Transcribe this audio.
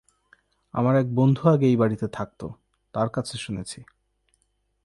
আমার এক বন্ধু আগে এই বাড়িতে থাকত, তার কাছে শুনেছি।